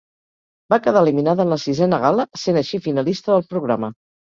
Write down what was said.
Va quedar eliminada en la sisena gala, sent així finalista del programa.